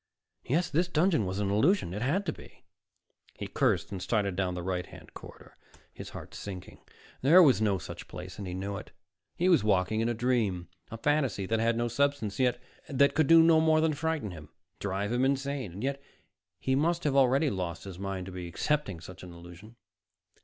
Yes, this dungeon was an illusion. It had to be. He cursed and started down the right hand corridor, his heart sinking. There was no such place and he knew it. He was walking in a dream, a fantasy that had no substance, that could do no more than frighten him, drive him insane; yet he must already have lost his mind to be accepting such an illusion.